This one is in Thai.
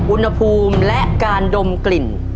อุณหภูมิและการดมกลิ่น